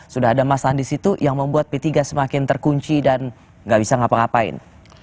sudah ada masa di situ yang membuat p tiga semakin terkunci dan nggak bisa ngapa ngapain